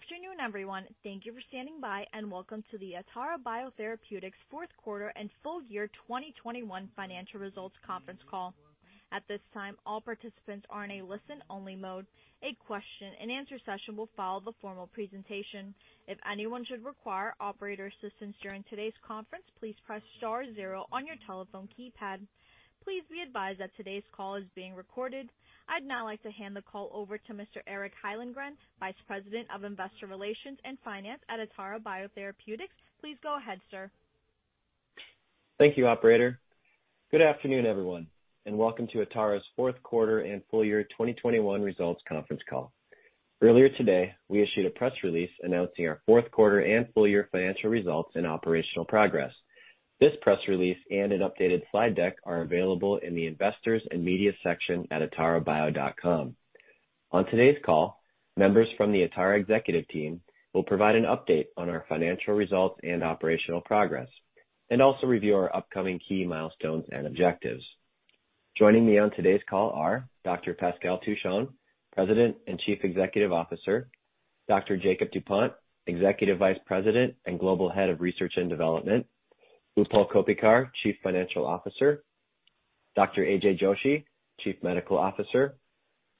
Afternoon, everyone. Thank you for standing by, and welcome to the Atara Biotherapeutics Fourth Quarter and Full Year 2021 Financial Results Conference Call. At this time, all participants are in a listen-only mode. A question-and-answer session will follow the formal presentation. If anyone should require operator assistance during today's conference, please press star zero on your telephone keypad. Please be advised that today's call is being recorded. I'd now like to hand the call over to Mr. Eric Hyllengren, Vice President of Investor Relations and Finance at Atara Biotherapeutics. Please go ahead, sir. Thank you, operator. Good afternoon, everyone, and welcome to Atara's Fourth Quarter and Full Year 2021 Results Conference Call. Earlier today, we issued a press release announcing our fourth quarter and full year financial results and operational progress. This press release and an updated slide deck are available in the Investors and Media section at atarabio.com. On today's call, members from the Atara executive team will provide an update on our financial results and operational progress, and also review our upcoming key milestones and objectives. Joining me on today's call are Dr. Pascal Touchon, President and Chief Executive Officer, Dr. Jakob Dupont, Executive Vice President and Global Head of Research and Development, Utpal Koppikar, Chief Financial Officer, Dr. AJ Joshi, Chief Medical Officer,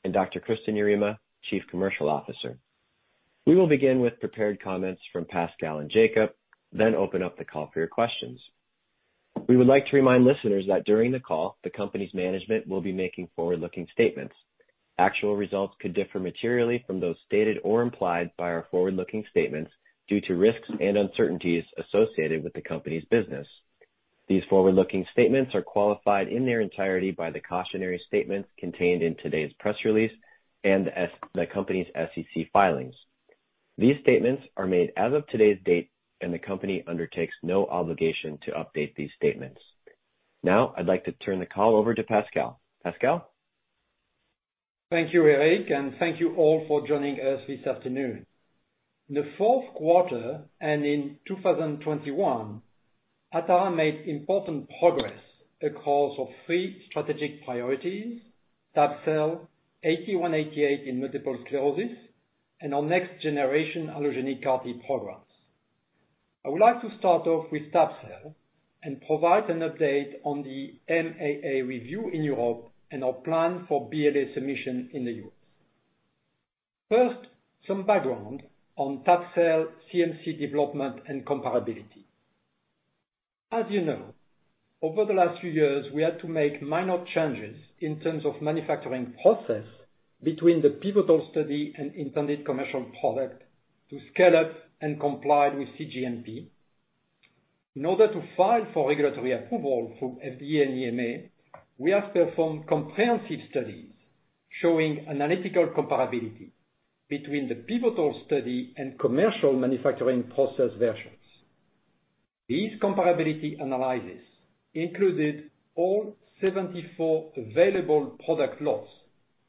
and Dr. Kristin Yarema, Chief Commercial Officer. We will begin with prepared comments from Pascal and Jakob, then open up the call for your questions. We would like to remind listeners that during the call, the company's management will be making forward-looking statements. Actual results could differ materially from those stated or implied by our forward-looking statements due to risks and uncertainties associated with the company's business. These forward-looking statements are qualified in their entirety by the cautionary statements contained in today's press release and the company's SEC filings. These statements are made as of today's date, and the company undertakes no obligation to update these statements. Now, I'd like to turn the call over to Pascal Touchon. Pascal Touchon. Thank you, Eric, and thank you all for joining us this afternoon. The fourth quarter and in 2021, Atara made important progress across our three strategic priorities, tabelecleucel, ATA188 in multiple sclerosis, and our next-generation allogeneic CAR-T programs. I would like to start off with tabelecleucel and provide an update on the MAA review in Europe and our plan for BLA submission in the U.S. First, some background on tabelecleucel CMC development and comparability. As you know, over the last few years, we had to make minor changes in terms of manufacturing process between the pivotal study and intended commercial product to scale up and comply with cGMP. In order to file for regulatory approval through FDA and EMA, we have performed comprehensive studies showing analytical comparability between the pivotal study and commercial manufacturing process versions. These comparability analyses included all 74 available product lots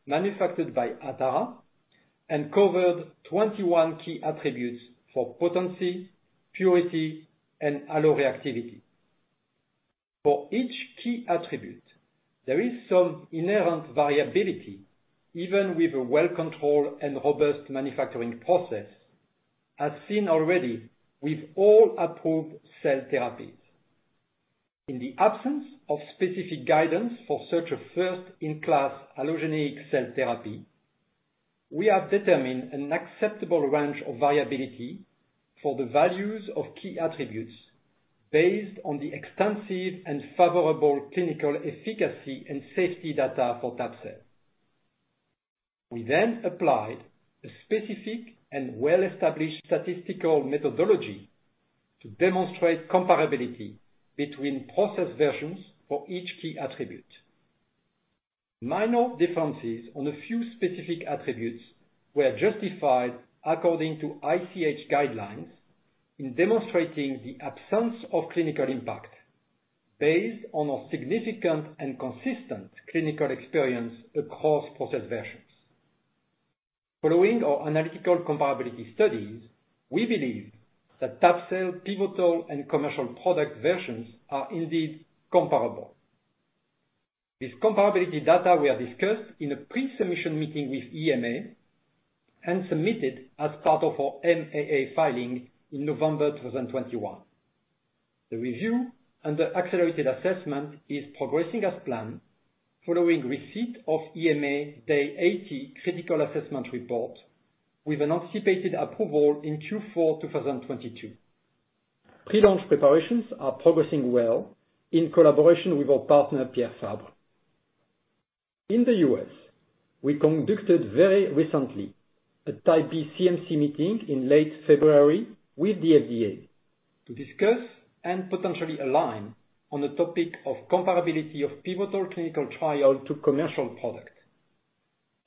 manufactured by Atara and covered 21 key attributes for potency, purity, and alloreactivity. For each key attribute, there is some inherent variability, even with a well-controlled and robust manufacturing process, as seen already with all approved cell therapies. In the absence of specific guidance for such a first-in-class allogeneic cell therapy, we have determined an acceptable range of variability for the values of key attributes based on the extensive and favorable clinical efficacy and safety data for tab-cell. We then applied a specific and well-established statistical methodology to demonstrate comparability between process versions for each key attribute. Minor differences on a few specific attributes were justified according to ICH guidelines in demonstrating the absence of clinical impact based on our significant and consistent clinical experience across process versions. Following our analytical comparability studies, we believe that tabelecleucel pivotal and commercial product versions are indeed comparable. This comparability data we have discussed in a pre-submission meeting with EMA and submitted as part of our MAA filing in November of 2021. The review and the accelerated assessment is progressing as planned following receipt of EMA day 80 critical assessment report with an anticipated approval in Q4 2022. Pre-launch preparations are progressing well in collaboration with our partner, Pierre Fabre. In the U.S., we conducted very recently a type B CMC meeting in late February with the FDA to discuss and potentially align on the topic of comparability of pivotal clinical trial to commercial product.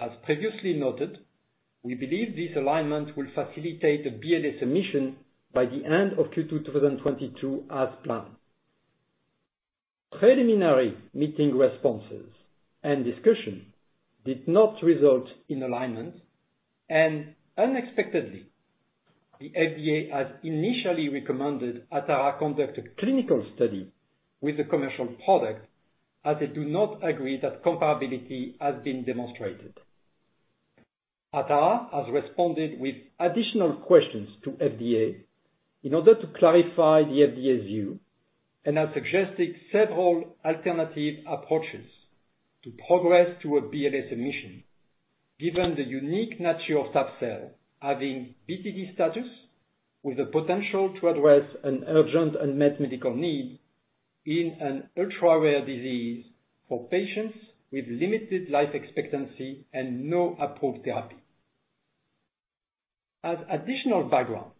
As previously noted, we believe this alignment will facilitate a BLA submission by the end of Q2 2022 as planned. Preliminary meeting responses and discussion did not result in alignment. Unexpectedly, the FDA has initially recommended Atara conduct a clinical study with a commercial product. As I do not agree that comparability has been demonstrated. Atara has responded with additional questions to FDA in order to clarify the FDA's view and has suggested several alternative approaches to progress to a BLA submission, given the unique nature of tabelecleucel having BTD status with the potential to address an urgent and unmet medical need in an ultra-rare disease for patients with limited life expectancy and no approved therapy. As additional background,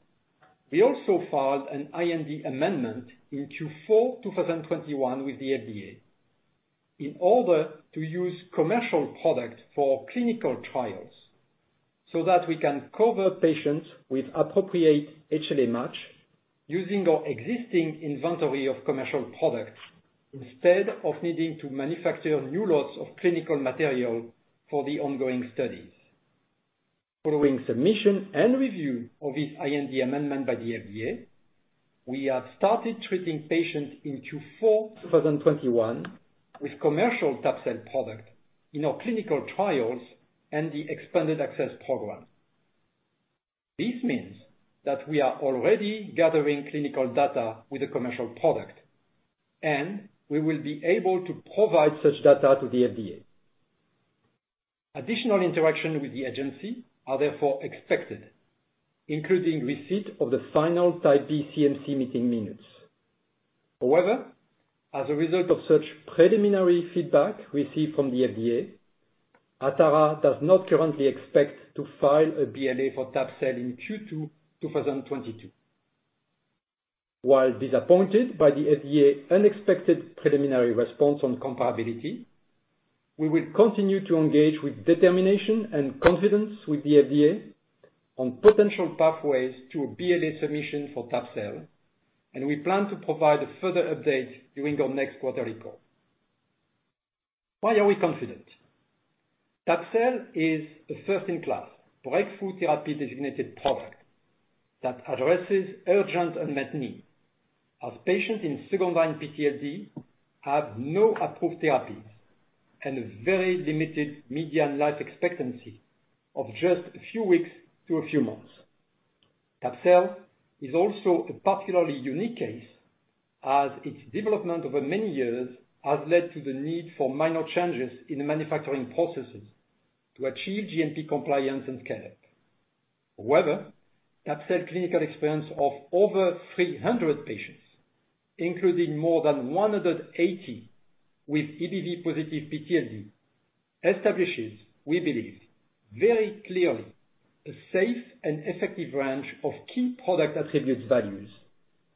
we also filed an IND amendment in Q4 2021 with the FDA in order to use commercial product for clinical trials so that we can cover patients with appropriate HLA match using our existing inventory of commercial products instead of needing to manufacture new lots of clinical material for the ongoing studies. Following submission and review of this IND amendment by the FDA, we have started treating patients in Q4 2021 with commercial tabelecleucel product in our clinical trials and the expanded access program. This means that we are already gathering clinical data with a commercial product, and we will be able to provide such data to the FDA. Additional interaction with the agency are therefore expected, including receipt of the final type B CMC meeting minutes. However, as a result of such preliminary feedback received from the FDA, Atara does not currently expect to file a BLA for tabelecleucel in Q2 2022. While disappointed by the FDA unexpected preliminary response on comparability, we will continue to engage with determination and confidence with the FDA on potential pathways to a BLA submission for tabelecleucel, and we plan to provide a further update during our next quarter record. Why are we confident? Tabelecleucel is a first-in-class Breakthrough Therapy Designated product that addresses urgent unmet need, as patients in second-line PTLD have no approved therapies and a very limited median life expectancy of just a few weeks to a few months. Tabelecleucel is also a particularly unique case as its development over many years has led to the need for minor changes in the manufacturing processes to achieve GMP compliance and scale up. However, tabelecleucel clinical experience of over 300 patients, including more than 180 with EBV positive PTLD, establishes, we believe, very clearly a safe and effective range of key product attribute values,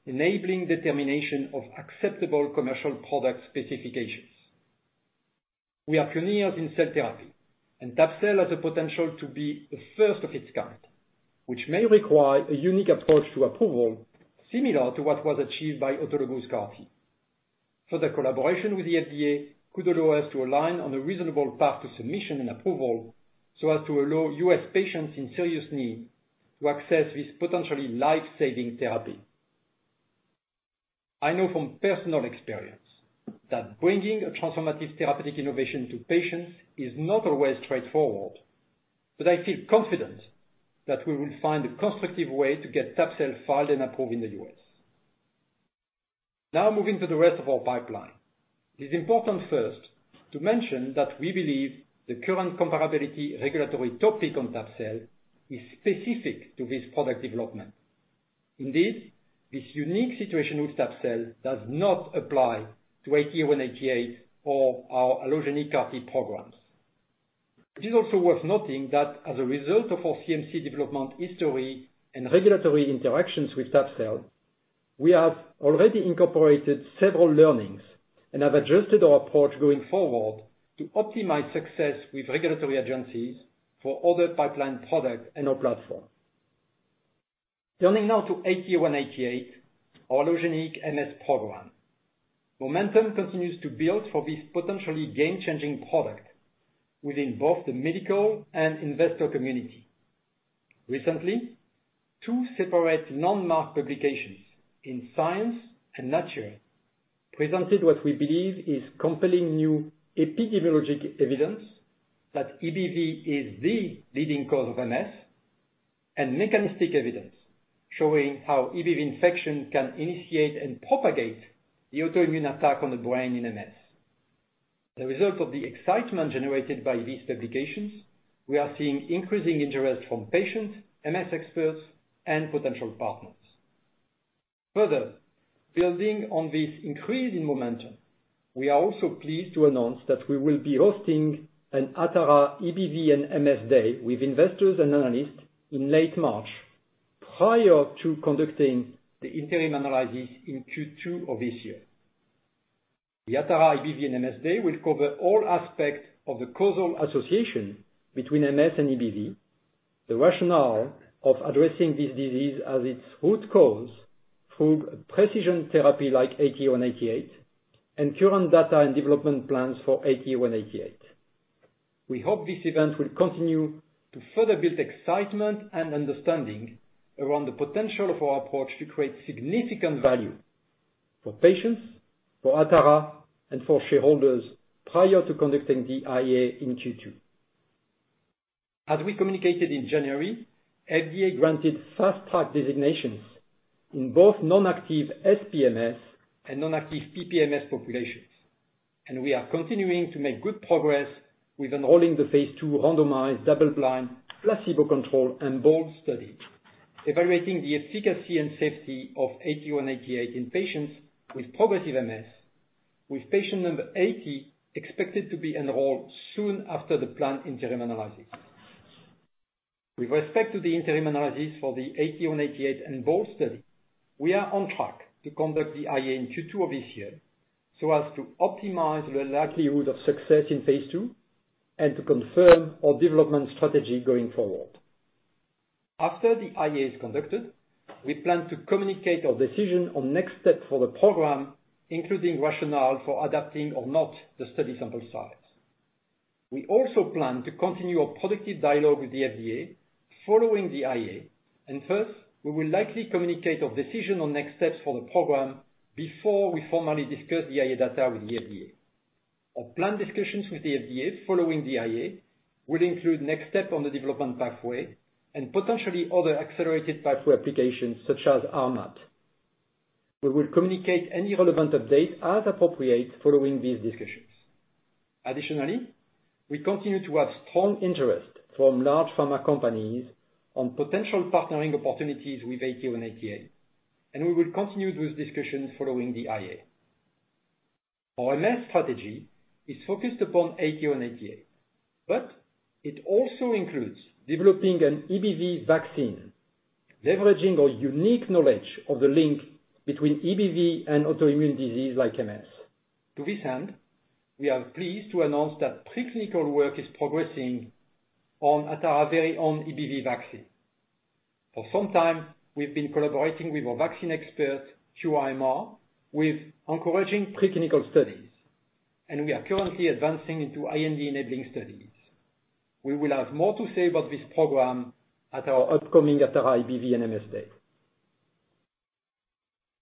enabling determination of acceptable commercial product specifications. We are pioneers in cell therapy, and tabelecleucel has a potential to be the first of its kind, which may require a unique approach to approval, similar to what was achieved by autologous CAR-T. Further collaboration with the FDA could allow us to align on a reasonable path to submission and approval, so as to allow U.S. patients in serious need to access this potentially life-saving therapy. I know from personal experience that bringing a transformative therapeutic innovation to patients is not always straightforward, but I feel confident that we will find a constructive way to get tabelecleucel filed and approved in the U.S. Now, moving to the rest of our pipeline. It is important first to mention that we believe the current comparability regulatory topic on tabelecleucel is specific to this product development. Indeed, this unique situation with tabelecleucel does not apply to ATA188 or our allogeneic CAR-T programs. It is also worth noting that as a result of our CMC development history and regulatory interactions with tabelecleucel, we have already incorporated several learnings and have adjusted our approach going forward to optimize success with regulatory agencies for other pipeline products and our platform. Turning now to ATA188, our allogeneic MS program. Momentum continues to build for this potentially game-changing product within both the medical and investor community. Recently, two separate landmark publications in Science and Nature presented what we believe is compelling new epidemiologic evidence that EBV is the leading cause of MS, and mechanistic evidence showing how EBV infection can initiate and propagate the autoimmune attack on the brain in MS. As a result of the excitement generated by these publications, we are seeing increasing interest from patients, MS experts, and potential partners. Further, building on this increasing momentum, we are also pleased to announce that we will be hosting an Atara EBV and MS Day with investors and analysts in late March, prior to conducting the interim analysis in Q2 of this year. The Atara EBV and MS Day will cover all aspects of the causal association between MS and EBV, the rationale of addressing this disease as its root cause through precision therapy like ATA188, and current data and development plans for ATA188. We hope this event will continue to further build excitement and understanding around the potential of our approach to create significant value for patients, for Atara, and for shareholders prior to conducting the IA in Q2. As we communicated in January, FDA granted Fast Track designations in both non-active SPMS and non-active PPMS populations, and we are continuing to make good progress with enrolling the phase II randomized double-blind placebo-controlled EMBOLD study, evaluating the efficacy and safety of ATA188 in patients with progressive MS, with patient number 80 expected to be enrolled soon after the planned interim analysis. With respect to the interim analysis for the ATA188 EMBOLD study, we are on track to conduct the IA in Q2 of this year so as to optimize the likelihood of success in phase II and to confirm our development strategy going forward. After the IA is conducted, we plan to communicate our decision on next steps for the program, including rationale for adapting or not the study sample size. We also plan to continue a productive dialogue with the FDA following the IA, and thus we will likely communicate our decision on next steps for the program before we formally discuss the IA data with the FDA. Our planned discussions with the FDA following the IA will include next steps on the development pathway and potentially other accelerated pathway applications such as RMAT. We will communicate any relevant updates as appropriate following these discussions. Additionally, we continue to have strong interest from large pharma companies on potential partnering opportunities with ATA188, and we will continue those discussions following the IA. Our MS strategy is focused upon ATA188, but it also includes developing an EBV vaccine, leveraging our unique knowledge of the link between EBV and autoimmune disease like MS. To this end, we are pleased to announce that pre-clinical work is progressing on Atara's very own EBV vaccine. For some time, we've been collaborating with our vaccine expert, QIMR, with encouraging pre-clinical studies, and we are currently advancing into IND-enabling studies. We will have more to say about this program at our upcoming Atara EBV and MS Day.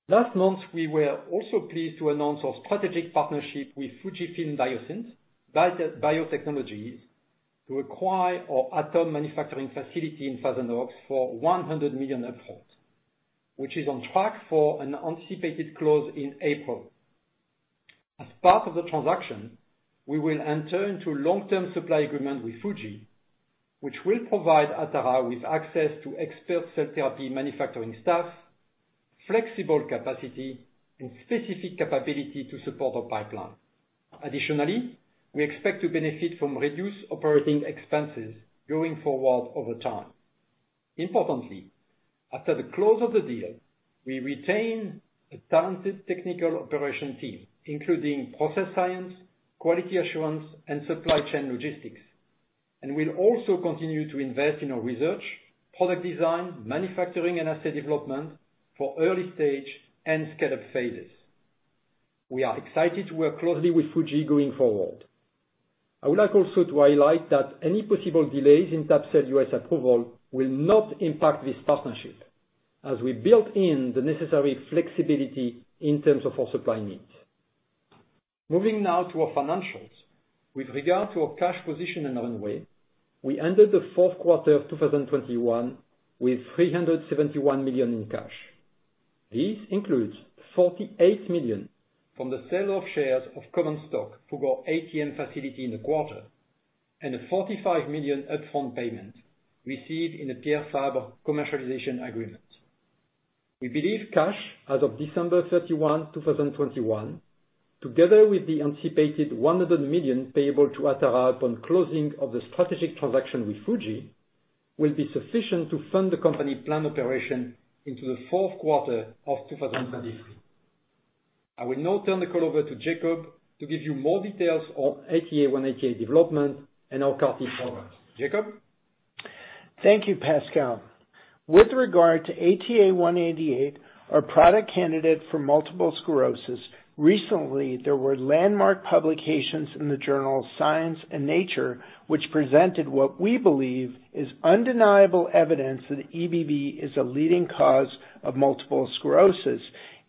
Last month, we were also pleased to announce our strategic partnership with FUJIFILM Diosynth Biotechnologies to acquire our ATOM manufacturing facility in Thousand Oaks for $100 million upfront, which is on track for an anticipated close in April. As part of the transaction, we will enter into long-term supply agreement with Fuji, which will provide Atara with access to expert cell therapy manufacturing staff, flexible capacity, and specific capability to support our pipeline. Additionally, we expect to benefit from reduced operating expenses going forward over time. Importantly, after the close of the deal, we retain a talented technical operation team, including process science, quality assurance, and supply chain logistics. We'll also continue to invest in our research, product design, manufacturing, and asset development for early stage and scale-up phases. We are excited to work closely with Fuji going forward. I would like also to highlight that any possible delays in tabelecleucel U.S. approval will not impact this partnership, as we built in the necessary flexibility in terms of our supply needs. Moving now to our financials. With regard to our cash position and runway, we ended the fourth quarter of 2021 with $371 million in cash. This includes $48 million from the sale of shares of common stock through our ATM facility in the quarter, and a $45 million upfront payment received in the Pierre Fabre commercialization agreement. We believe cash as of December 31, 2021, together with the anticipated $100 million payable to Atara upon closing of the strategic transaction with FUJIFILM, will be sufficient to fund the company's planned operations into the fourth quarter of 2022. I will now turn the call over to Jakob to give you more details on ATA188 development and our CAR-T program. Jakob? Thank you, Pascal. With regard to ATA188, our product candidate for multiple sclerosis, recently there were landmark publications in the journal Science and Nature which presented what we believe is undeniable evidence that EBV is a leading cause of multiple sclerosis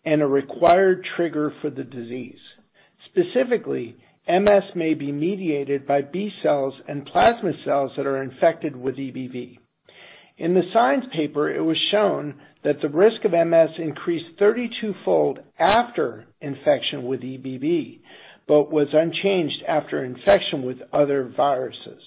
and a required trigger for the disease. Specifically, MS may be mediated by b-cells and plasma cells that are infected with EBV. In the Science paper, it was shown that the risk of MS increased 32-fold after infection with EBV, but was unchanged after infection with other viruses.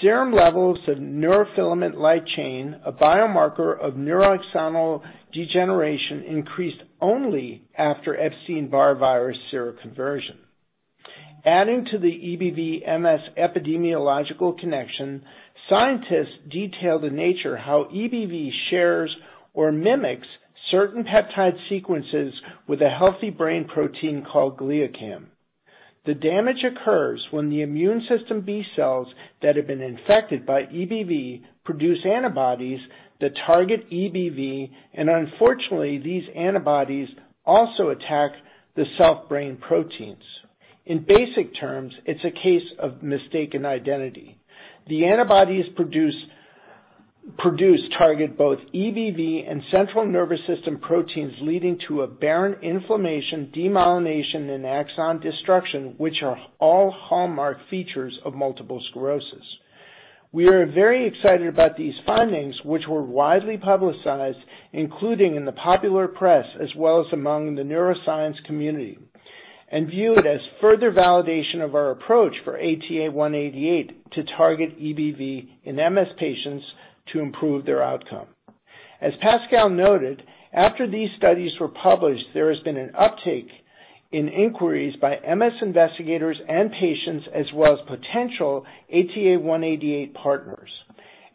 Serum levels of neurofilament light chain, a biomarker of neuroaxonal degeneration, increased only after Epstein-Barr virus seroconversion. Adding to the EBV MS epidemiological connection, scientists detailed in Nature how EBV shares or mimics certain peptide sequences with a healthy brain protein called GlialCAM. The damage occurs when the immune system b-cells that have been infected by EBV produce antibodies that target EBV, and unfortunately, these antibodies also attack the self brain proteins. In basic terms, it's a case of mistaken identity. The antibodies produced target both EBV and central nervous system proteins, leading to brain inflammation, demyelination, and axon destruction, which are all hallmark features of multiple sclerosis. We are very excited about these findings, which were widely publicized, including in the popular press, as well as among the neuroscience community, and view it as further validation of our approach for ATA188 to target EBV in MS patients to improve their outcome. As Pascal noted, after these studies were published, there has been an uptake in inquiries by MS investigators and patients, as well as potential ATA188 partners.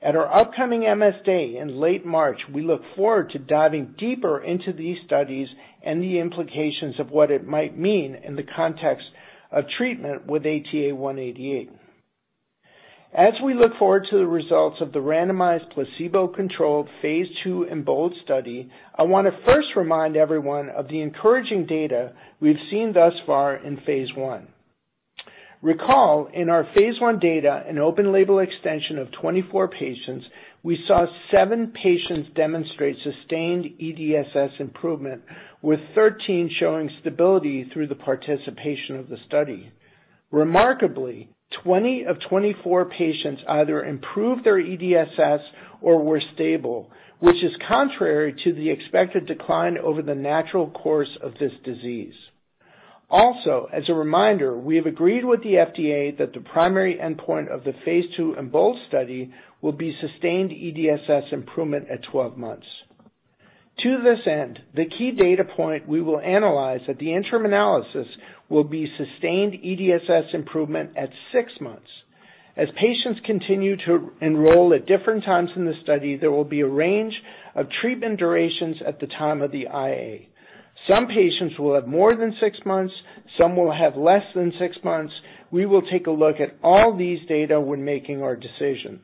At our upcoming MS Day in late March, we look forward to diving deeper into these studies and the implications of what it might mean in the context of treatment with ATA188. As we look forward to the results of the randomized placebo-controlled phase II EMBOLD study, I wanna first remind everyone of the encouraging data we've seen thus far in phase I. Recall, in our phase I data, an open-label extension of 24 patients, we saw seven patients demonstrate sustained EDSS improvement, with 13 showing stability through the participation of the study. Remarkably, 20 of 24 patients either improved their EDSS or were stable, which is contrary to the expected decline over the natural course of this disease. Also, as a reminder, we have agreed with the FDA that the primary endpoint of the phase II EMBOLD study will be sustained EDSS improvement at 12 months. To this end, the key data point we will analyze at the interim analysis will be sustained EDSS improvement at six months. As patients continue to enroll at different times in the study, there will be a range of treatment durations at the time of the IA. Some patients will have more than six months, some will have less than six months. We will take a look at all these data when making our decision.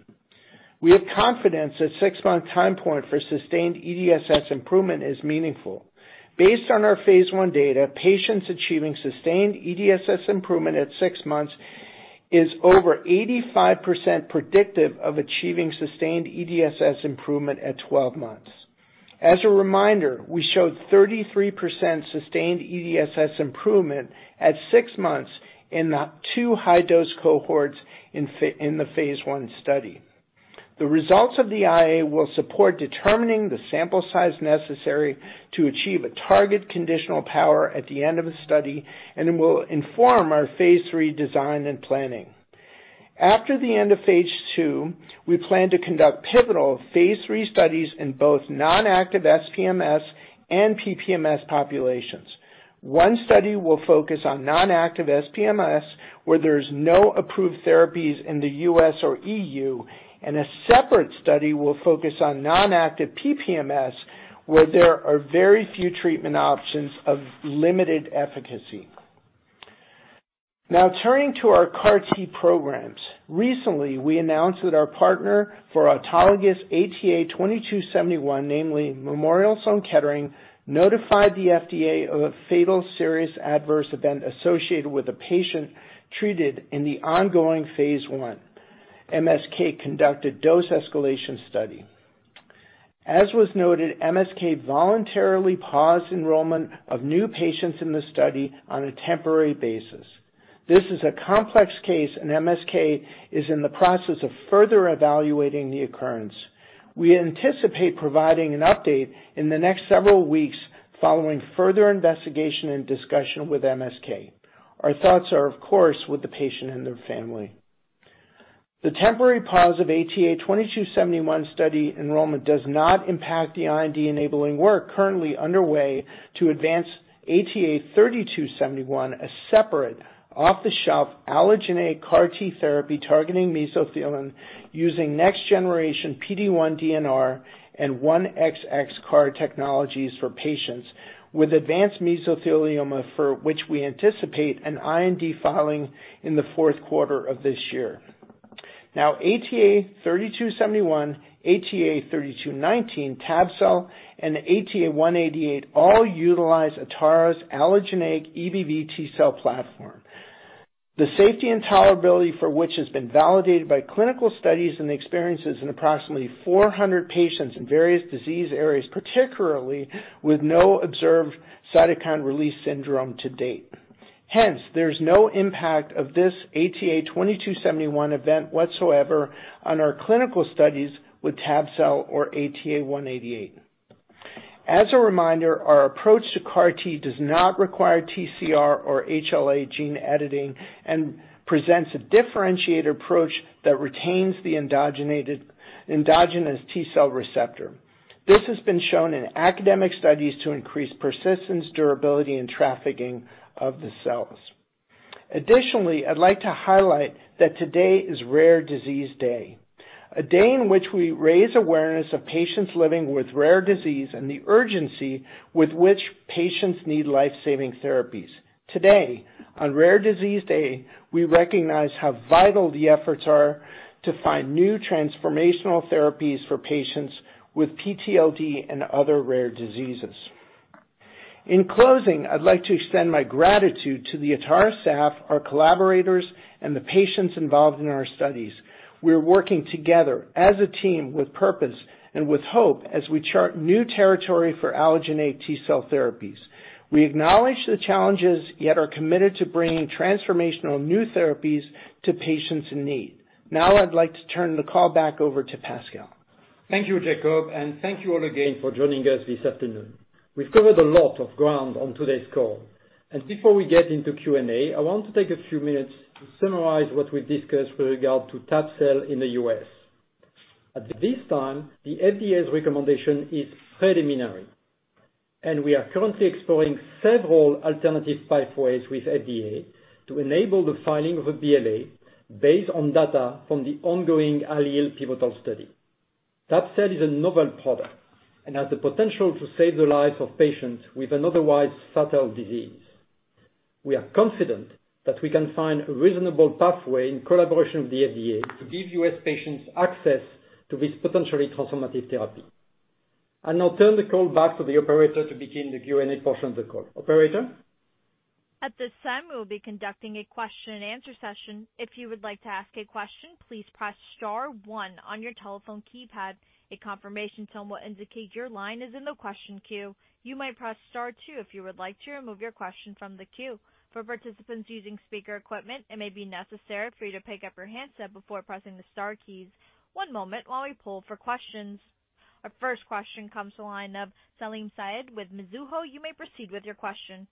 We have confidence a six-month time point for sustained EDSS improvement is meaningful. Based on our phase I data, patients achieving sustained EDSS improvement at six months is over 85% predictive of achieving sustained EDSS improvement at twelve months. As a reminder, we showed 33% sustained EDSS improvement at six months in the two high-dose cohorts in the phase I study. The results of the IA will support determining the sample size necessary to achieve a target conditional power at the end of a study, and it will inform our phase III design and planning. After the end of phase II, we plan to conduct pivotal phase III studies in both non-active SPMS and PPMS populations. One study will focus on non-active SPMS, where there's no approved therapies in the U.S. or EU, and a separate study will focus on non-active PPMS, where there are very few treatment options of limited efficacy. Now turning to our CAR-T programs. Recently, we announced that our partner for autologous ATA2271, namely Memorial Sloan Kettering, notified the FDA of a fatal serious adverse event associated with a patient treated in the ongoing phase I MSK-conducted dose escalation study. As was noted, MSK voluntarily paused enrollment of new patients in the study on a temporary basis. This is a complex case, and MSK is in the process of further evaluating the occurrence. We anticipate providing an update in the next several weeks following further investigation and discussion with MSK. Our thoughts are, of course, with the patient and their family. The temporary pause of ATA 2271 study enrollment does not impact the IND-enabling work currently underway to advance ATA 3271, a separate off-the-shelf allogeneic CAR-T therapy targeting mesothelin using next generation PD-1 DNR and 1XX CAR technologies for patients with advanced mesothelioma, for which we anticipate an IND filing in the fourth quarter of this year. Now, ATA 3271, ATA 3219, tabelecleucel, and ATA 188 all utilize Atara's allogeneic EBV t-cell platform. The safety and tolerability for which has been validated by clinical studies and the experiences in approximately 400 patients in various disease areas, particularly with no observed cytokine release syndrome to date. Hence, there's no impact of this ATA 2271 event whatsoever on our clinical studies with tabelecleucel or ATA188. As a reminder, our approach to CAR-T does not require TCR or HLA gene editing and presents a differentiated approach that retains the endogenous T-cell receptor. This has been shown in academic studies to increase persistence, durability, and trafficking of the cells. Additionally, I'd like to highlight that today is Rare Disease Day. A day in which we raise awareness of patients living with rare disease and the urgency with which patients need life-saving therapies. Today, on Rare Disease Day, we recognize how vital the efforts are to find new transformational therapies for patients with PTLD and other rare diseases. In closing, I'd like to extend my gratitude to the Atara staff, our collaborators, and the patients involved in our studies. We're working together as a team with purpose and with hope as we chart new territory for allogeneic T-cell therapies. We acknowledge the challenges, yet are committed to bringing transformational new therapies to patients in need. Now I'd like to turn the call back over to Pascal. Thank you, Jakob, and thank you all again for joining us this afternoon. We've covered a lot of ground on today's call, and before we get into Q&A, I want to take a few minutes to summarize what we discussed with regard to tabelecleucel in the U.S. At this time, the FDA's recommendation is preliminary, and we are currently exploring several alternative pathways with FDA to enable the filing of a BLA based on data from the ongoing ALLELE pivotal study. Tabelecleucel is a novel product and has the potential to save the lives of patients with an otherwise fatal disease. We are confident that we can find a reasonable pathway in collaboration with the FDA to give U.S. patients access to this potentially transformative therapy. I'll now turn the call back to the operator to begin the Q&A portion of the call. Operator? At this time, we will be conducting a question and answer session. If you would like to ask a question, please press star one on your telephone keypad. A confirmation tone will indicate your line is in the question queue. You may press star two if you would like to remove your question from the queue. For participants using speaker equipment, it may be necessary for you to pick up your handset before pressing the star keys. One moment while we poll for questions. Our first question comes to the line of Salim Syed with Mizuho. You may proceed with your question.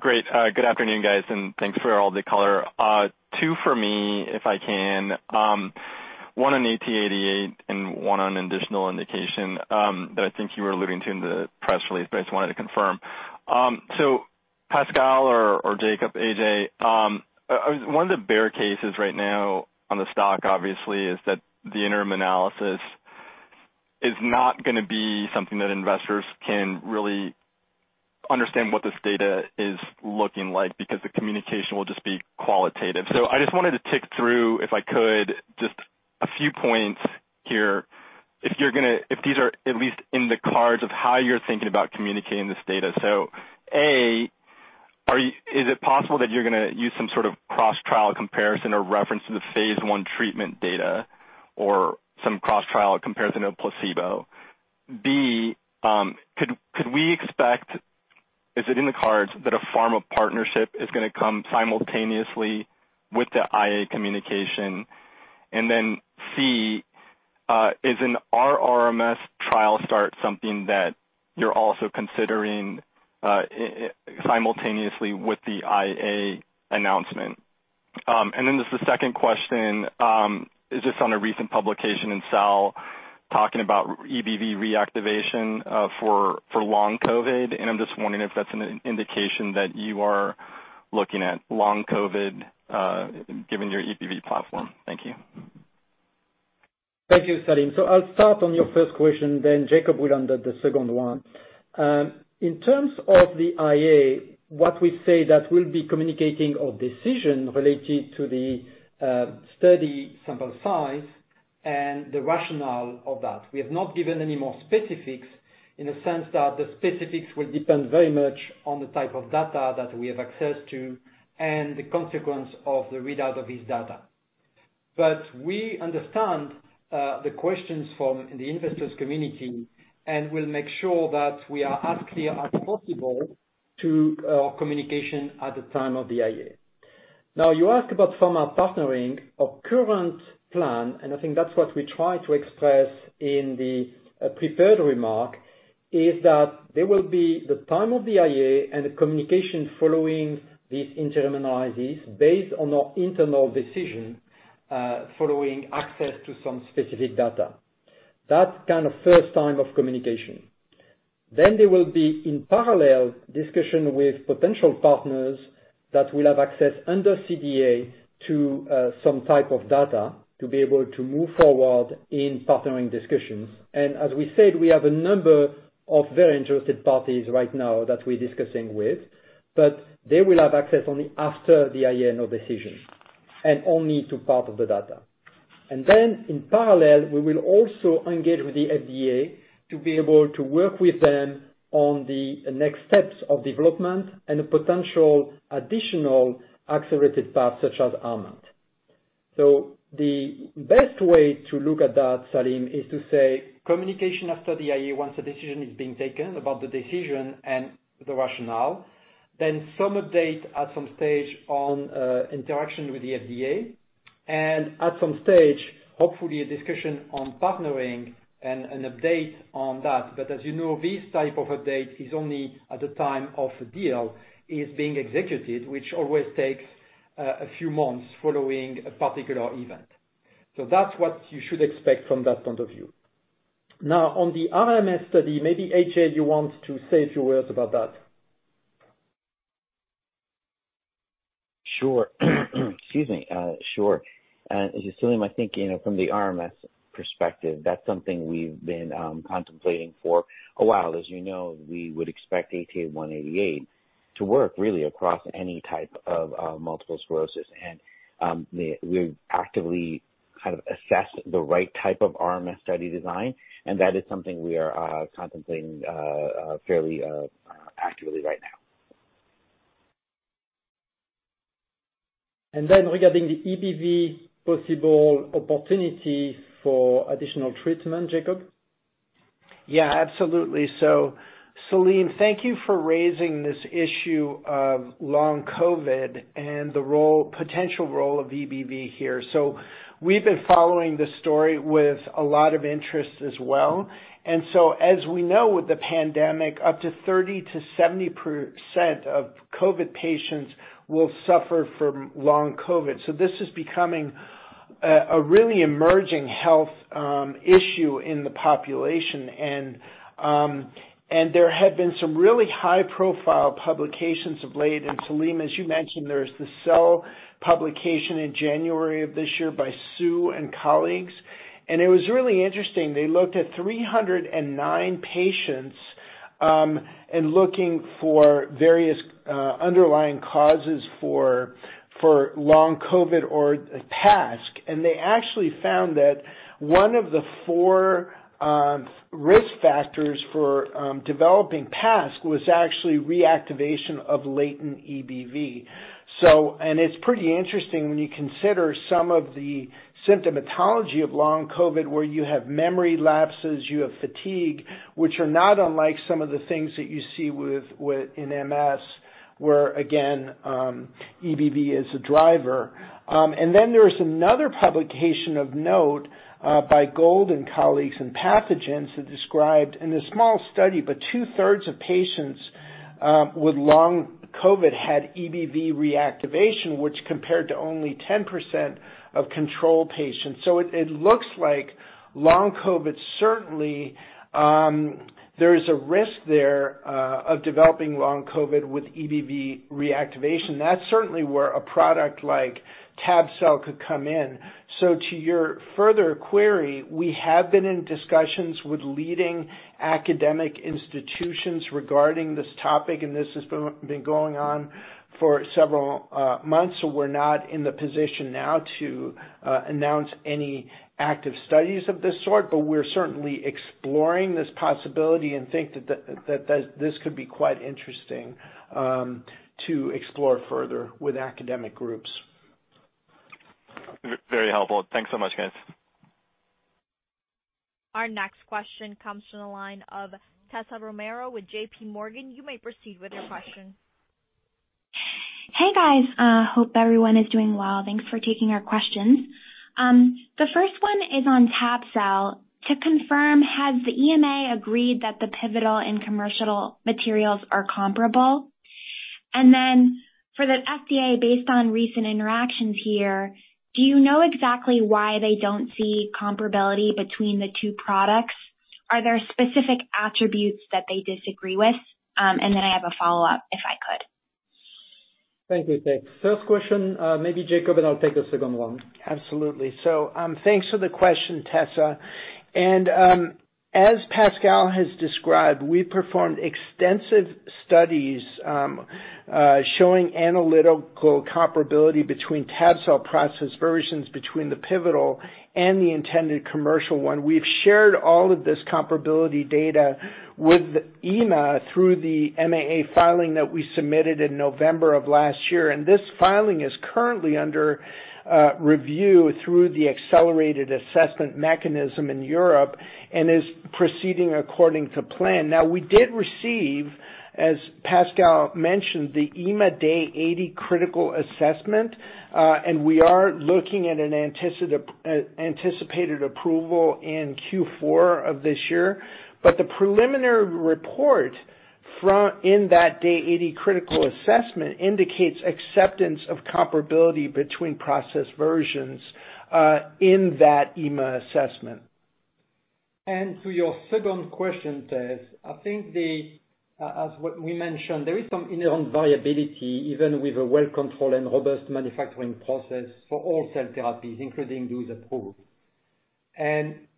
Great. Good afternoon, guys, and thanks for all the color. Two for me, if I can. One on ATA188 and one on additional indication that I think you were alluding to in the press release, but I just wanted to confirm. Pascal or Jakob, AJ, one of the bear cases right now on the stock obviously is that the interim analysis is not gonna be something that investors can really understand what this data is looking like because the communication will just be qualitative. I just wanted to tick through, if I could, just a few points here, if these are at least in the cards of how you're thinking about communicating this data. A, is it possible that you're gonna use some sort of cross-trial comparison or reference to the phase I treatment data or some cross-trial comparison of placebo? B, could we expect, is it in the cards that a pharma partnership is gonna come simultaneously with the IA communication? C, is an RRMS trial start something that you're also considering simultaneously with the IA announcement? Just a second question, is just on a recent publication in Cell talking about EBV reactivation for long COVID, and I'm just wondering if that's an indication that you are looking at long COVID given your EBV platform. Thank you. Thank you, Salim. I'll start on your first question, then Jakob will handle the second one. In terms of the IA, what we say that we'll be communicating our decision related to the study sample size and the rationale of that. We have not given any more specifics in the sense that the specifics will depend very much on the type of data that we have access to and the consequence of the readout of this data. We understand the questions from the investors community and will make sure that we are as clear as possible to our communication at the time of the IA. Now, you ask about pharma partnering. Our current plan, and I think that's what we try to express in the prepared remark, is that there will be the time of the IA and the communication following this interim analysis based on our internal decision, following access to some specific data. That's kind of the first time of communication. Then there will be in parallel discussion with potential partners that will have access under CDA to some type of data to be able to move forward in partnering discussions. As we said, we have a number of very interested parties right now that we're discussing with, but they will have access only after the IA and decision and only to part of the data. In parallel, we will also engage with the FDA to be able to work with them on the next steps of development and a potential additional accelerated path such as RMAT. The best way to look at that, Salim, is to say communication after the IA, once a decision is being taken about the decision and the rationale, then some update at some stage on interaction with the FDA. At some stage, hopefully a discussion on partnering and an update on that. As you know, this type of update is only at the time of a deal is being executed, which always takes a few months following a particular event. That's what you should expect from that point of view. Now on the RMS study, maybe AJ you want to say a few words about that. Sure. Excuse me. Sure. Salim, I think, you know, from the RMS perspective, that's something we've been contemplating for a while. As you know, we would expect ATA188 to work really across any type of multiple sclerosis. We've actively kind of assessed the right type of RMS study design, and that is something we are contemplating fairly actively right now. Regarding the EBV possible opportunity for additional treatment, Jakob? Yeah, absolutely. Salim, thank you for raising this issue of long COVID and the potential role of EBV here. We've been following this story with a lot of interest as well. As we know, with the pandemic, up to 30%-70% of COVID patients will suffer from long COVID. This is becoming a really emerging health issue in the population. There have been some really high-profile publications of late. Salim, as you mentioned, there's the Cell publication in January of this year by Su and colleagues, and it was really interesting. They looked at 309 patients and looking for various underlying causes for long COVID or PASC. They actually found that one of the four risk factors for developing PASC was actually reactivation of latent EBV. It's pretty interesting when you consider some of the symptomatology of long COVID, where you have memory lapses, you have fatigue, which are not unlike some of the things that you see with in MS, where again, EBV is a driver. Then there is another publication of note by Gold and colleagues in Pathogens that described in a small study, but two-thirds of patients with long COVID had EBV reactivation, which compared to only 10% of control patients. It looks like long COVID, certainly, there is a risk there of developing long COVID with EBV reactivation. That's certainly where a product like tabelecleucel could come in. To your further query, we have been in discussions with leading academic institutions regarding this topic, and this has been going on for several months. We're not in the position now to announce any active studies of this sort. We're certainly exploring this possibility and think that this could be quite interesting to explore further with academic groups. Very helpful. Thanks so much, guys. Our next question comes from the line of Tessa Romero with JPMorgan. You may proceed with your question. Hey, guys. Hope everyone is doing well. Thanks for taking our questions. The first one is on tabelecleucel. To confirm, has the EMA agreed that the pivotal and commercial materials are comparable? For the FDA, based on recent interactions here, do you know exactly why they don't see comparability between the two products? Are there specific attributes that they disagree with? I have a follow-up, if I could. Thank you, Tessa. First question, maybe Jakob, and I'll take the second one. Absolutely. Thanks for the question, Tessa. As Pascal has described, we performed extensive studies showing analytical comparability between tabelecleucel process versions between the pivotal and the intended commercial one. We've shared all of this comparability data with EMA through the MAA filing that we submitted in November of last year, and this filing is currently under review through the accelerated assessment mechanism in Europe and is proceeding according to plan. Now, we did receive, as Pascal mentioned, the EMA day 80 critical assessment, and we are looking at an anticipated approval in Q4 of this year. The preliminary report in that day 80 critical assessment indicates acceptance of comparability between process versions in that EMA assessment. To your second question, Tessa, I think the, as what we mentioned, there is some inherent variability even with a well-controlled and robust manufacturing process for all cell therapies, including those approved.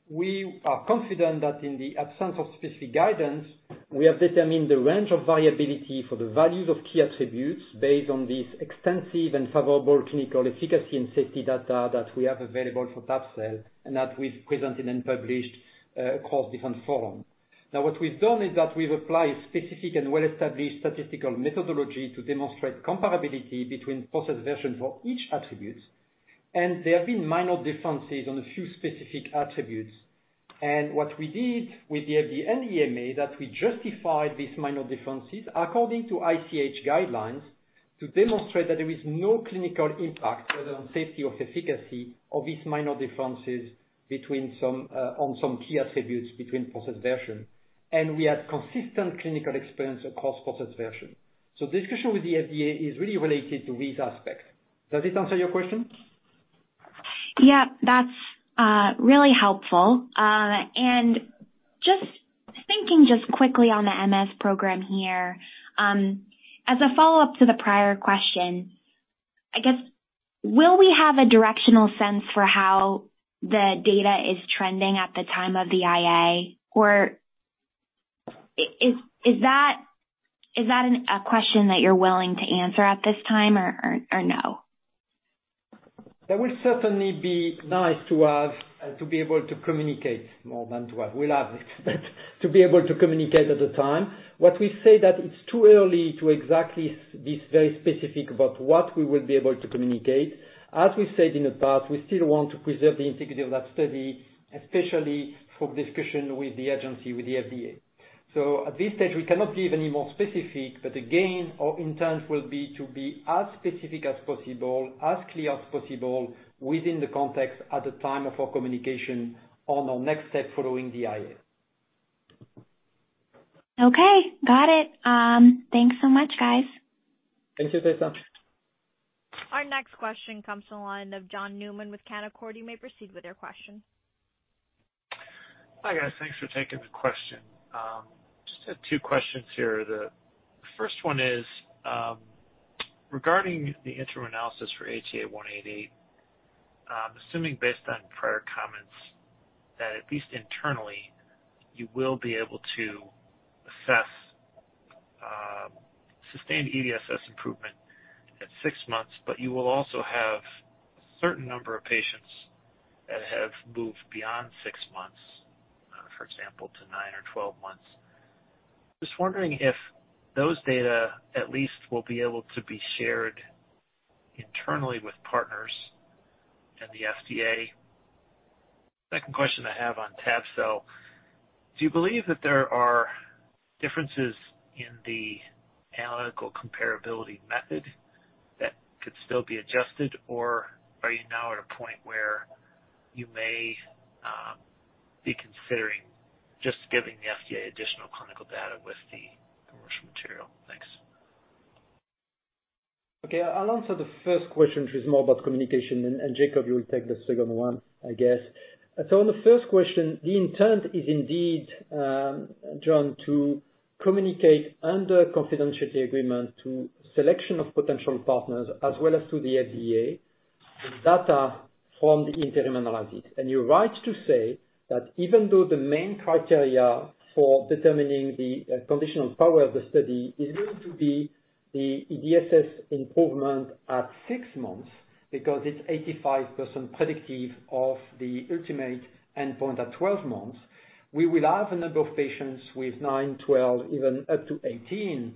We are confident that in the absence of specific guidance, we have determined the range of variability for the values of key attributes based on this extensive and favorable clinical efficacy and safety data that we have available for tabelecleucel and that we've presented and published across different forums. Now, what we've done is that we've applied specific and well-established statistical methodology to demonstrate comparability between process version for each attribute. There have been minor differences on a few specific attributes. What we did with the FDA and EMA, that we justified these minor differences according to ICH guidelines, to demonstrate that there is no clinical impact, whether on safety or efficacy of these minor differences between some, on some key attributes between process version. We had consistent clinical experience across process version. Discussion with the FDA is really related to these aspects. Does this answer your question? Yeah, that's really helpful. Just thinking just quickly on the MS program here, as a follow-up to the prior question. I guess, will we have a directional sense for how the data is trending at the time of the IA, or is that a question that you're willing to answer at this time or no? That will certainly be nice to have, to be able to communicate more than to have. We'll have it, but to be able to communicate at the time. What we say is that it's too early to exactly be very specific about what we will be able to communicate. As we said in the past, we still want to preserve the integrity of that study, especially for discussion with the agency, with the FDA. At this stage, we cannot give any more specifics, but again, our intent will be to be as specific as possible, as clear as possible within the context at the time of our communication on our next step following the IA. Okay. Got it. Thanks so much, guys. Thank you, Tessa. Our next question comes from the line of John Newman with Canaccord. You may proceed with your question. Hi, guys. Thanks for taking the question. Just had two questions here. The first one is regarding the interim analysis for ATA188. Assuming based on prior comments that at least internally, you will be able to assess sustained EDSS improvement at six months, but you will also have certain number of patients that have moved beyond six months, for example, to nine or 12 months. Just wondering if those data at least will be able to be shared internally with partners and the FDA. Second question I have on tabelecleucel. Do you believe that there are differences in the analytical comparability method that could still be adjusted, or are you now at a point where you may be considering just giving the FDA additional clinical data with the commercial material? Thanks. Okay. I'll answer the first question, which is more about communication and Jakob, you'll take the second one, I guess. On the first question, the intent is indeed, John, to communicate under confidentiality agreement to selection of potential partners, as well as to the FDA, the data from the interim analysis. You're right to say that even though the main criteria for determining the conditional power of the study is going to be the EDSS improvement at 6 months, because it's 85% predictive of the ultimate endpoint at 12 months. We will have a number of patients with 9, 12, even up to 18,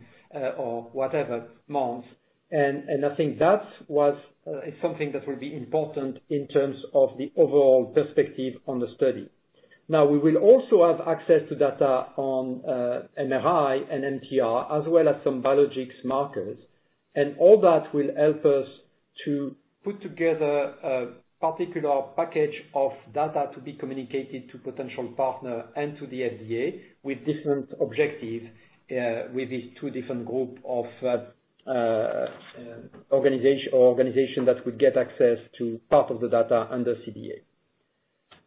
or whatever months. I think that is something that will be important in terms of the overall perspective on the study. Now, we will also have access to data on MRI and MTR, as well as some biologic markers. All that will help us to put together a particular package of data to be communicated to potential partner and to the FDA with different objectives, with the two different group of organization that would get access to part of the data under CDA.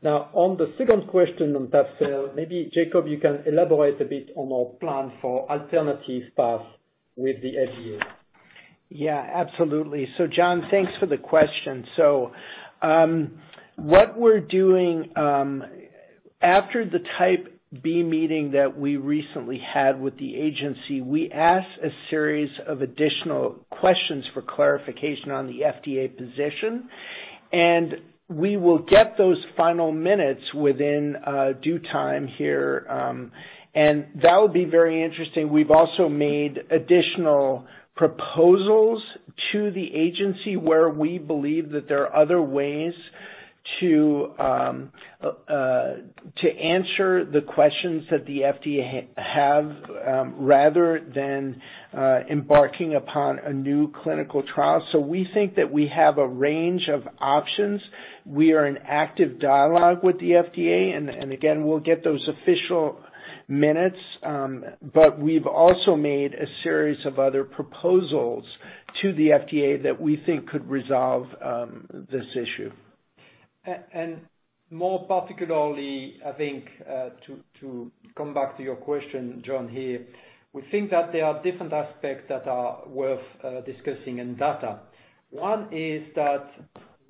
Now, on the second question on tab-cel, maybe Jakob, you can elaborate a bit on our plan for alternative path with the FDA. Yeah, absolutely. John, thanks for the question. What we're doing, after the type B meeting that we recently had with the agency, we asked a series of additional questions for clarification on the FDA position, and we will get those final minutes within due time here. That would be very interesting. We've also made additional proposals to the agency where we believe that there are other ways to answer the questions that the FDA have, rather than embarking upon a new clinical trial. We think that we have a range of options. We are in active dialogue with the FDA and again, we'll get those official minutes. But we've also made a series of other proposals to the FDA that we think could resolve this issue. More particularly, I think, to come back to your question, John, here. We think that there are different aspects that are worth discussing in data. One is that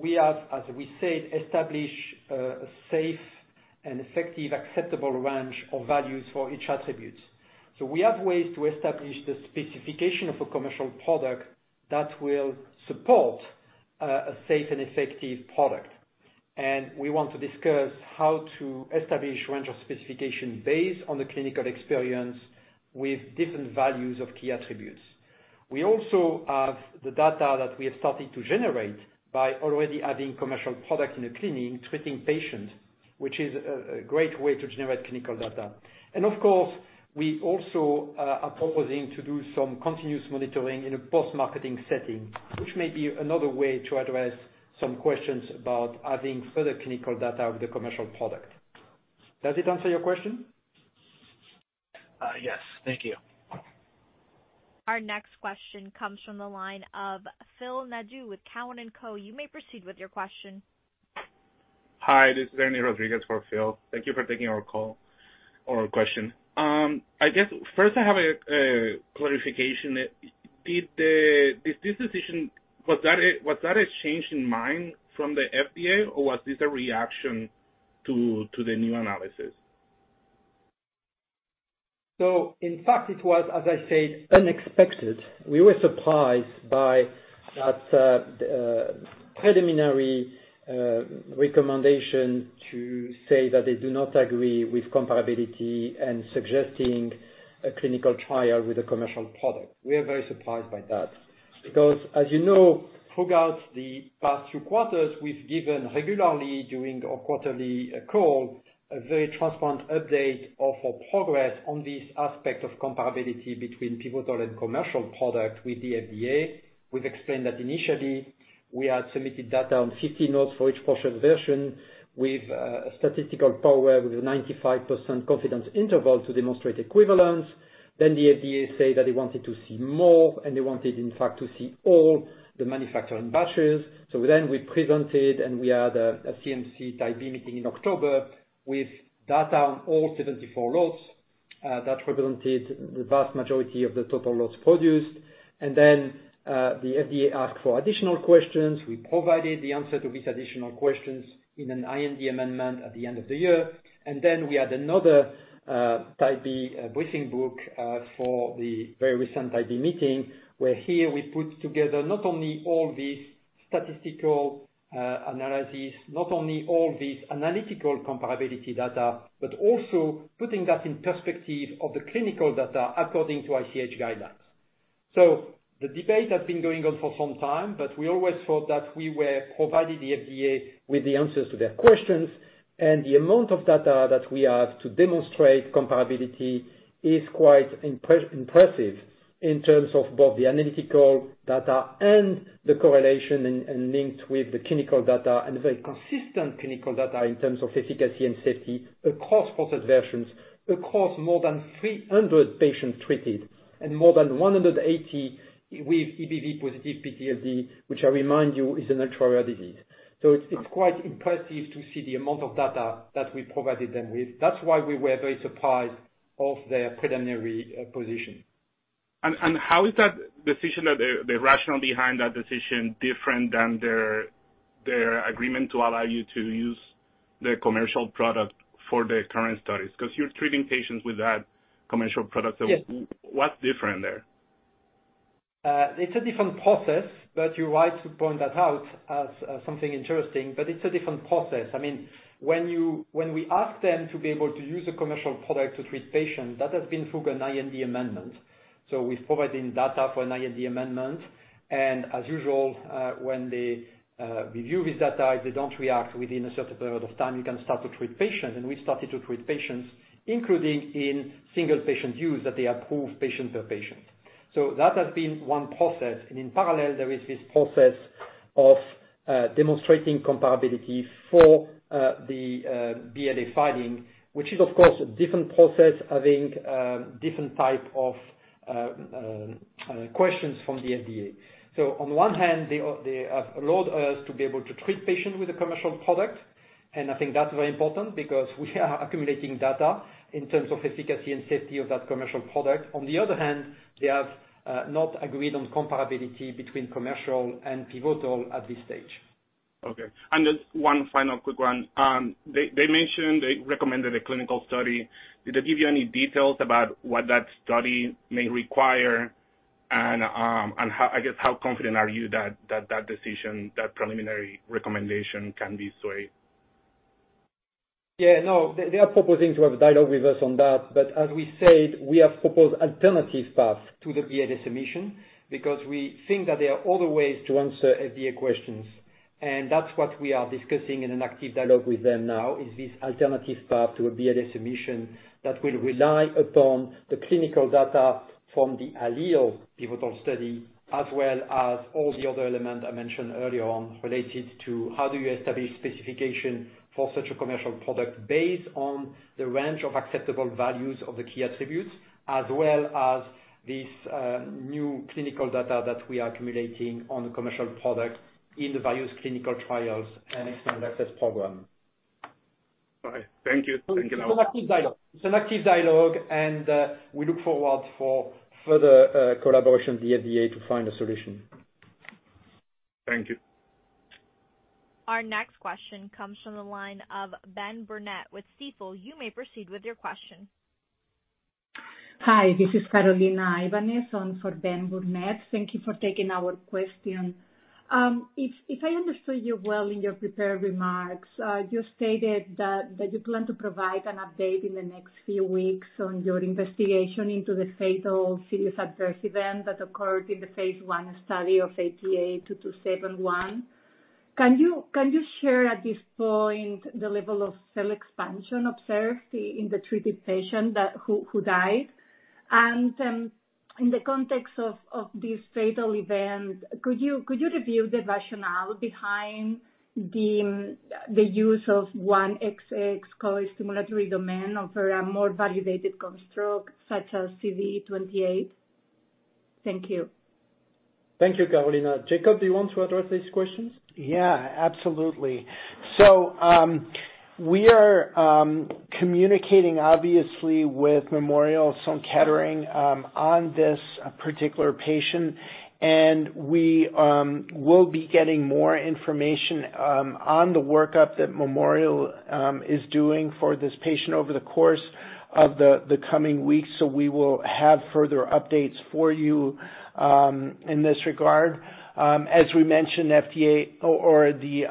we have, as we said, established a safe and effective acceptable range of values for each attribute. So we have ways to establish the specification of a commercial product that will support a safe and effective product. We want to discuss how to establish range of specification based on the clinical experience with different values of key attributes. We also have the data that we have started to generate by already having commercial product in the clinic treating patients, which is a great way to generate clinical data. Of course, we also are proposing to do some continuous monitoring in a post-marketing setting, which may be another way to address some questions about adding further clinical data with the commercial product. Does it answer your question? Yes. Thank you. Our next question comes from the line of Phil Nadeau with Cowen and Company. You may proceed with your question. Hi, this is Ernesto Rodriguez-Dumont for Phil. Thank you for taking our call or question. I guess first I have a clarification. This decision, was that a change of mind from the FDA, or was this a reaction to the new analysis? In fact, it was, as I said, unexpected. We were surprised by that, preliminary recommendation to say that they do not agree with comparability and suggesting a clinical trial with a commercial product. We are very surprised by that. Because as you know, throughout the past two quarters, we've given regularly during our quarterly call, a very transparent update of our progress on this aspect of comparability between pivotal and commercial product with the FDA. We've explained that initially, we had submitted data on 50 lots for each product version with a statistical power with 95% confidence interval to demonstrate equivalence. Then the FDA say that they wanted to see more, and they wanted in fact to see all the manufacturing batches. We presented and we had a CMC Type B meeting in October with data on all 74 lots that represented the vast majority of the total lots produced. The FDA asked for additional questions. We provided the answer to these additional questions in an IND amendment at the end of the year. We had another Type B briefing book for the very recent IB meeting, where we put together not only all these statistical analysis, not only all these analytical comparability data, but also putting that in perspective of the clinical data according to ICH guidelines. The debate has been going on for some time, but we always thought that we were providing the FDA with the answers to their questions. The amount of data that we have to demonstrate comparability is quite impressive in terms of both the analytical data and the correlation and linked with the clinical data and very consistent clinical data in terms of efficacy and safety across product versions. Across more than 300 patients treated and more than 180 with EBV positive PTLD, which I remind you, is an ultra-rare disease. It's quite impressive to see the amount of data that we provided them with. That's why we were very surprised of their preliminary position. How is that decision that their rationale behind that decision different than their agreement to allow you to use the commercial product for the current studies? Because you're treating patients with that commercial product. Yes. What's different there? It's a different process, but you're right to point that out as something interesting, but it's a different process. I mean, when we ask them to be able to use a commercial product to treat patients, that has been through an IND amendment with providing data for an IND amendment. As usual, when they review this data, if they don't react within a certain period of time, you can start to treat patients. We started to treat patients, including in single patient use that they approve patient per patient. That has been one process. In parallel, there is this process of demonstrating comparability for the BLA filing, which is of course a different process having different type of questions from the FDA. On one hand, they have allowed us to be able to treat patients with a commercial product. I think that's very important because we are accumulating data in terms of efficacy and safety of that commercial product. On the other hand, they have not agreed on comparability between commercial and pivotal at this stage. Okay. Just one final quick one. They mentioned they recommended a clinical study. Did they give you any details about what that study may require? How confident are you that that decision, that preliminary recommendation can be swayed? Yeah, no, they are proposing to have a dialogue with us on that. As we said, we have proposed alternative paths to the BLA submission because we think that there are other ways to answer FDA questions. That's what we are discussing in an active dialogue with them now, is this alternative path to a BLA submission that will rely upon the clinical data from the ALLELE pivotal study, as well as all the other elements I mentioned earlier on related to how do you establish specification for such a commercial product based on the range of acceptable values of the key attributes. As well as this, new clinical data that we are accumulating on the commercial product in the various clinical trials and extended access program. All right. Thank you. Thank you. It's an active dialogue, and we look forward for further collaboration with the FDA to find a solution. Thank you. Our next question comes from the line of Benjamin Burnett with Stifel. You may proceed with your question. Hi, this is Carolina Ibanez on for Ben Burnett. Thank you for taking our question. If I understood you well in your prepared remarks, you stated that you plan to provide an update in the next few weeks on your investigation into the fatal serious adverse event that occurred in the phase I study of ATA2271. Can you share at this point the level of cell expansion observed in the treated patient who died? In the context of this fatal event, could you review the rationale behind the use of 1XX co-stimulatory domain over a more validated construct such as CD28? Thank you. Thank you, Carolina. Jakob, do you want to address these questions? Yeah, absolutely. We are communicating obviously with Memorial Sloan Kettering on this particular patient, and we will be getting more information on the workup that Memorial is doing for this patient over the course of the coming weeks. We will have further updates for you in this regard. As we mentioned, the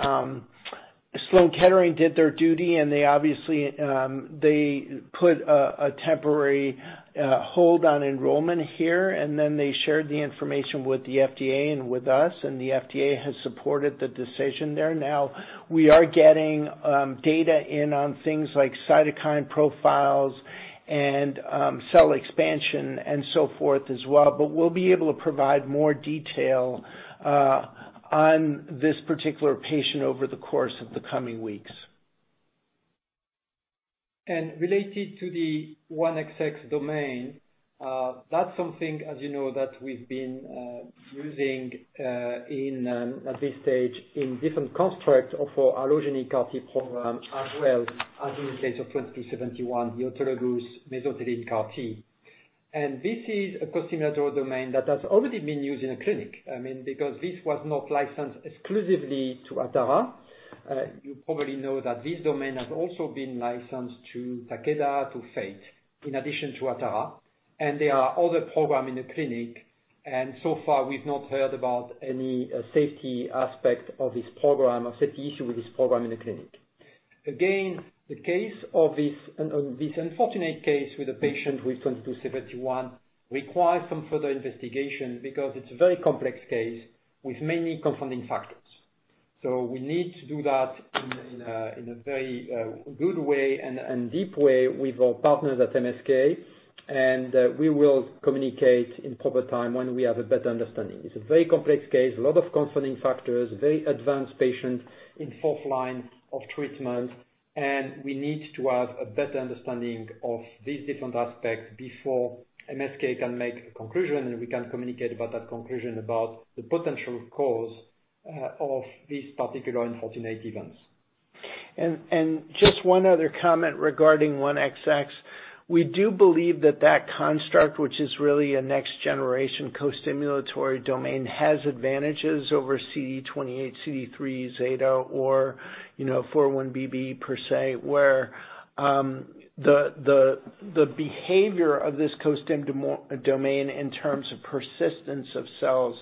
Sloan Kettering did their duty, and they obviously put a temporary hold on enrollment here, and then they shared the information with the FDA and with us, and the FDA has supported the decision there. Now we are getting data in on things like cytokine profiles and cell expansion and so forth as well. We'll be able to provide more detail on this particular patient over the course of the coming weeks. Related to the 1XX domain, that's something, as you know, that we've been using at this stage in different constructs of our allogeneic CAR-T program as well as in the case of 2271, the autologous mesothelin CAR-T. This is a costimulatory domain that has already been used in a clinic. I mean, because this was not licensed exclusively to Atara. You probably know that this domain has also been licensed to Takeda, to Fate, in addition to Atara, and there are other program in the clinic, and so far we've not heard about any safety aspect of this program or safety issue with this program in the clinic. Again, the case of this unfortunate case with a patient with 2271 requires some further investigation because it's a very complex case with many confounding factors. We need to do that in a very good way and deep way with our partners at MSK. We will communicate in proper time when we have a better understanding. It's a very complex case, a lot of confounding factors, a very advanced patient in fourth line of treatment. We need to have a better understanding of these different aspects before MSK can make a conclusion and we can communicate about that conclusion about the potential cause of these particular unfortunate events. Just one other comment regarding 1XX. We do believe that construct, which is really a next generation co-stimulatory domain, has advantages over CD28, CD3ζ, or, you know, 4-1BB per se, where the behavior of this co-stimulatory domain in terms of persistence of cells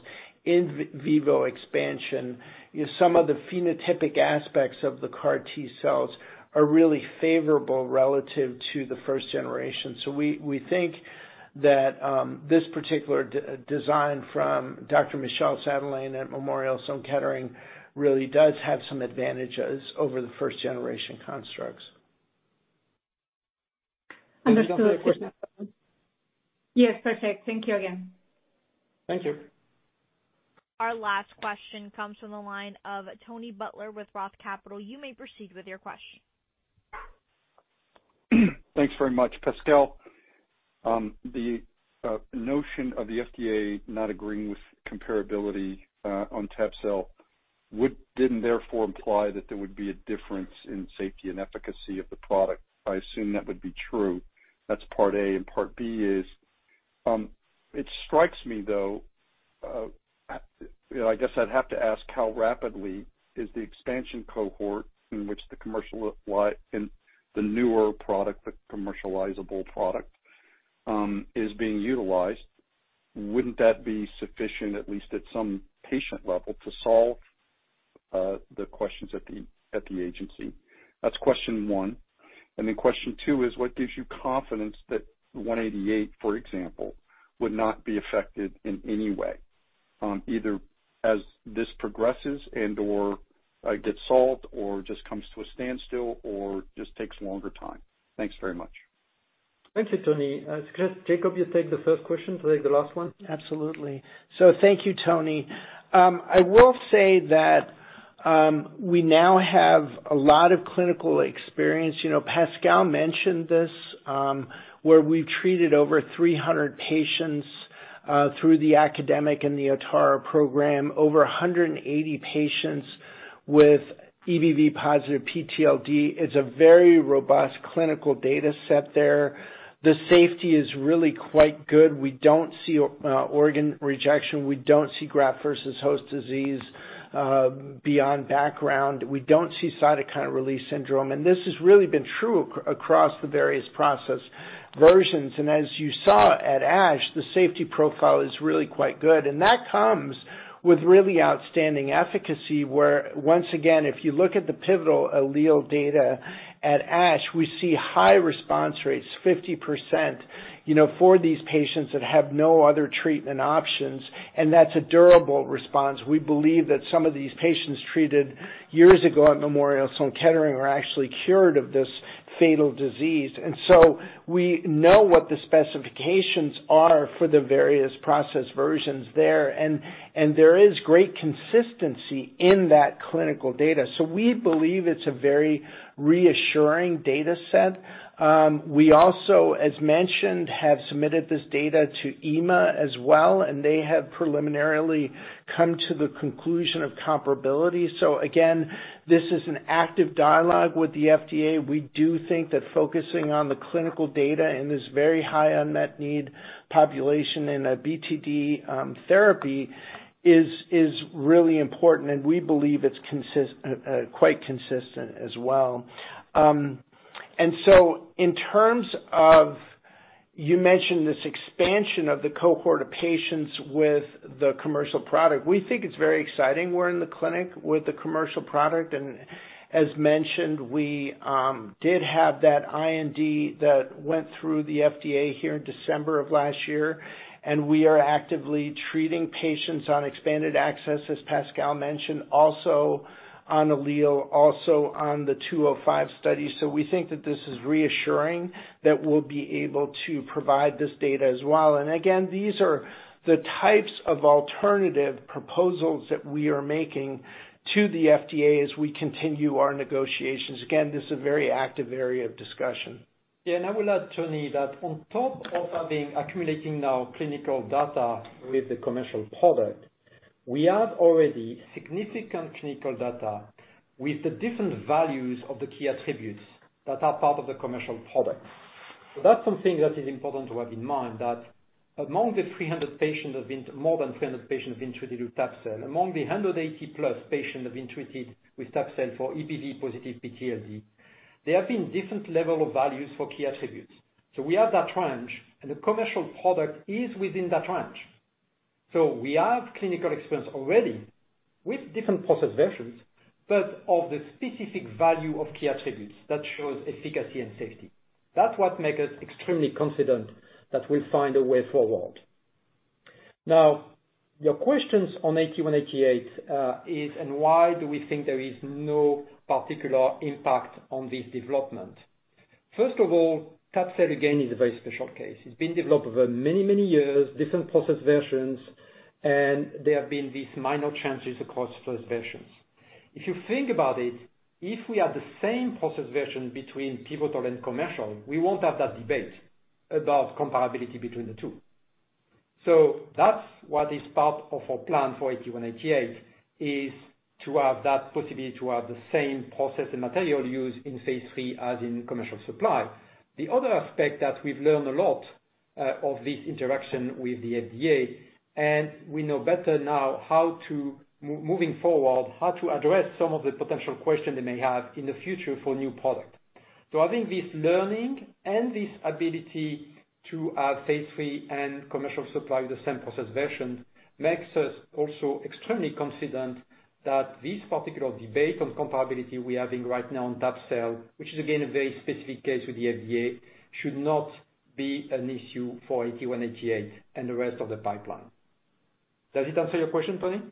in vivo expansion, you know, some of the phenotypic aspects of the CAR-T cells are really favorable relative to the first generation. We think that this particular design from Dr. Michel Sadelain at Memorial Sloan Kettering really does have some advantages over the first generation constructs. Any further question. Understood. Yes, perfect. Thank you again. Thank you. Our last question comes from the line of Tony Butler with Roth Capital. You may proceed with your question. Thanks very much. Pascal, the notion of the FDA not agreeing with comparability on tabelecleucel would not therefore imply that there would be a difference in safety and efficacy of the product. I assume that would be true. That's part A. Part B is, it strikes me though, you know, I guess I'd have to ask how rapidly is the expansion cohort in which the commercial line in the newer product, the commercializable product, is being utilized. Wouldn't that be sufficient, at least at some patient level, to solve the questions at the agency? That's question one. Question two is what gives you confidence that ATA188, for example, would not be affected in any way, either as this progresses and/or gets solved or just comes to a standstill or just takes longer time? Thanks very much. Thank you, Tony. Jakob, you take the first question, take the last one. Absolutely. Thank you, Tony. I will say that we now have a lot of clinical experience. You know, Pascal mentioned this, where we've treated over 300 patients through the academic and the Atara program. Over 180 patients with EBV positive PTLD. It's a very robust clinical data set there. The safety is really quite good. We don't see organ rejection. We don't see graft versus host disease beyond background. We don't see cytokine release syndrome. This has really been true across the various process versions. As you saw at ASH, the safety profile is really quite good. That comes with really outstanding efficacy, where once again, if you look at the pivotal ALLELE data at ASH, we see high response rates, 50%, you know, for these patients that have no other treatment options, and that's a durable response. We believe that some of these patients treated years ago at Memorial Sloan Kettering are actually cured of this fatal disease. We know what the specifications are for the various process versions there. There is great consistency in that clinical data. We believe it's a very reassuring data set. We also, as mentioned, have submitted this data to EMA as well, and they have preliminarily come to the conclusion of comparability. This is an active dialogue with the FDA. We do think that focusing on the clinical data in this very high unmet need population in a BTD therapy is really important, and we believe it's quite consistent as well. In terms of you mentioned this expansion of the cohort of patients with the commercial product. We think it's very exciting. We're in the clinic with the commercial product, and as mentioned, we did have that IND that went through the FDA here in December of last year, and we are actively treating patients on expanded access, as Pascal mentioned, also on ALLELE, also on the 205 study. We think that this is reassuring that we'll be able to provide this data as well. These are the types of alternative proposals that we are making to the FDA as we continue our negotiations. Again, this is a very active area of discussion. Yeah, I will add, Tony, that on top of having accumulating our clinical data with the commercial product, we have already significant clinical data with the different values of the key attributes that are part of the commercial product. That's something that is important to have in mind, that more than 300 patients have been treated with tabelecleucel, among the 180-plus patients have been treated with tabelecleucel for EBV-positive PTLD, there have been different level of values for key attributes. We have that range, and the commercial product is within that range. We have clinical experience already with different process versions, but of the specific value of key attributes that shows efficacy and safety. That's what make us extremely confident that we'll find a way forward. Now, your questions on ATA188 is and why do we think there is no particular impact on this development. First of all, tabelecleucel, again, is a very special case. It's been developed over many, many years, different process versions, and there have been these minor changes across those versions. If you think about it, if we have the same process version between pivotal and commercial, we won't have that debate about comparability between the two. So that's what is part of our plan for ATA188, is to have that possibility to have the same process and material used in phase III as in commercial supply. The other aspect that we've learned a lot of this interaction with the FDA, and we know better now how to, moving forward, how to address some of the potential questions they may have in the future for a new product. I think this learning and this ability to have phase III and commercial supply with the same process versions makes us also extremely confident that this particular debate on comparability we're having right now on tabelecleucel, which is again a very specific case with the FDA, should not be an issue for ATA188 and the rest of the pipeline. Does it answer your question, Tony?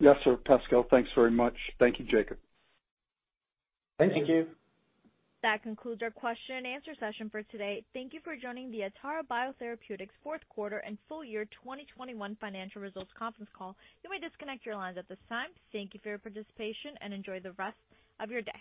Yes, sir, Pascal. Thanks very much. Thank you, Jakob. Thank you. That concludes our question and answer session for today. Thank you for joining the Atara Biotherapeutics fourth quarter and full year 2021 financial results conference call. You may disconnect your lines at this time. Thank you for your participation, and enjoy the rest of your day.